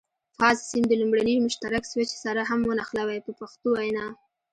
فاز سیم د لومړني مشترک سویچ سره هم ونښلوئ په پښتو وینا.